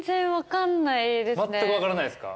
まったく分からないですか？